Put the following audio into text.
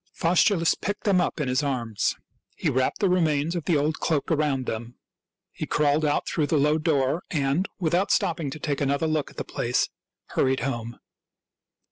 Faustulus picked them up in his arms. He wrapped the remains of the old cloak around them. He crawled out through the low door and, without stopping to take another look at the place, hurried home.